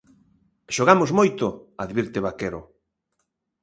"Xogamos moito", advirte Vaquero.